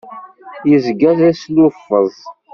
Yezga d asluffeẓ.